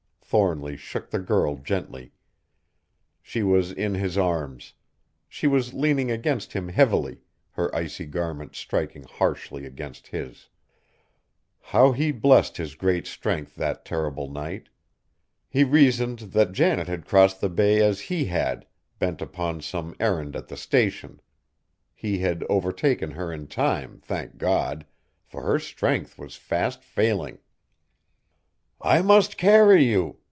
Thornly shook the girl gently. She was in his arms. She was leaning against him heavily, her icy garment striking harshly against his. How he blessed his great strength that terrible night! He reasoned that Janet had crossed the bay as he had, bent upon some errand at the Station. He had overtaken her in time, thank God! for her strength was fast failing. "I must carry you!"